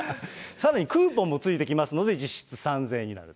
さらにクーポンも付いてきますので、実質３０００円になる。